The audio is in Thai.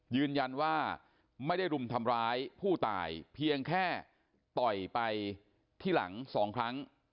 ยืนยันว่าไม่ได้รุมทำร้ายผู้ตายเพียงแค่ต่อยไปที่หลังสองครั้ง